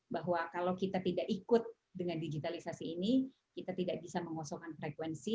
bahwa kalau kita tidak ikut dengan digitalisasi ini kita tidak bisa mengosongkan frekuensi